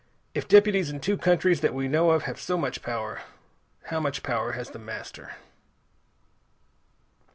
If deputies in two countries that we know of have so much power, how much power has The Master?"